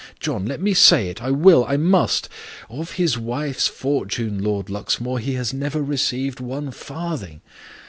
(John, let me say it! I will, I must!) of his wife's fortune, Lord Luxmore, he has never received one farthing.